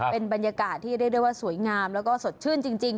เป็นบรรยากาศที่เรียกได้ว่าสวยงามแล้วก็สดชื่นจริง